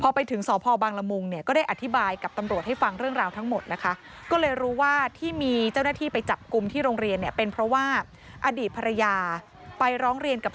พอไปถึงสพบังละมุงเนี่ยก็ได้อธิบายกับตำรวจให้ฟังเรื่องราวทั้งหมดนะคะก็เลยรู้ว่าที่มีเจ้าหน้าที่ไปจับกลุ่มที่โรงเรียนเนี่ยเป็นเพราะว่าอดีตภรรยาไปร้องเรียนกับ